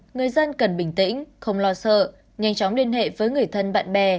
người dân cần bình tĩnh không lo sợ nhanh chóng liên hệ với người thân bạn bè